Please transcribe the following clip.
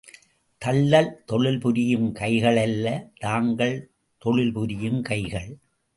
தள்ளல் தொழில் புரியும் கைகளல்ல தாங்கல் தொழில் புரியும் கைகள்.